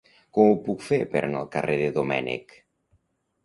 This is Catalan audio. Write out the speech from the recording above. Com ho puc fer per anar al carrer de Domènech?